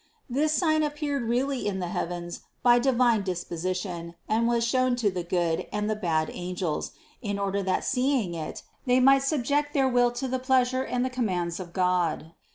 This sign appeared really in the heavens by divine disposition and was shown to the good and the bad angels, in order that see ing it, they might subject their will to the pleasure and the commands of God.